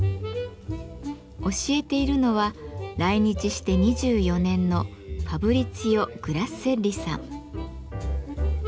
教えているのは来日して２４年のファブリツィオ・グラッセッリさん。